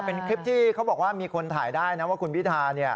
เป็นคลิปที่เขาบอกว่ามีคนถ่ายได้นะว่าคุณพิธาเนี่ย